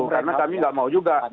karena kami gak mau juga